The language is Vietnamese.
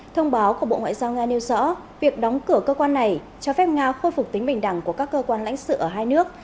thông báo của bộ ngoại giao nga nêu rõ việc đóng cửa cơ quan này cho phép nga khôi phục tính bình đẳng của các cơ quan lãnh sự ở hai nước